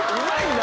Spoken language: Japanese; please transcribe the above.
はい。